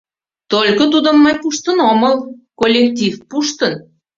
Только тудым мый пуштын омыл, коллектив пуштын...